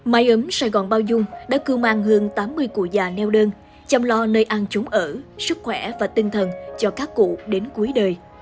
mái ấm sài gòn bao dung đã cưu mang hơn tám mươi cụ già neo đơn chăm lo nơi ăn trốn ở sức khỏe và tinh thần cho các cụ đến cuối đời